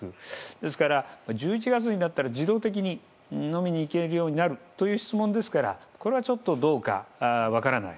ですから１１月になったら自動的に飲みに行けるようになるという質問ですからこれはちょっとどうか分からない。